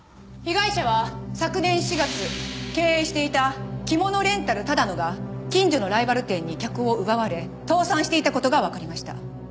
被害者は昨年４月経営していた着物レンタル多田野が近所のライバル店に客を奪われ倒産していた事がわかりました。